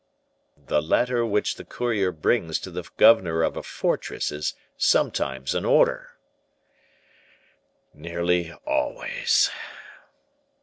"The letter which the courier brings to the governor of a fortress is sometimes an order." "Nearly always."